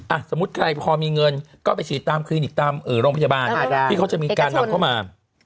สมมุติใครพอมีเงินก็ไปฉีดตามคลินิกตามโรงพยาบาลที่เขาจะมีการนำเข้ามา